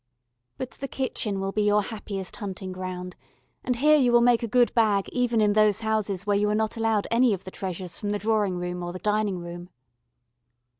But the kitchen will be your happiest hunting ground, and here you will make a good bag even in those houses where you are not allowed any of the treasures from the drawing room or the dining room.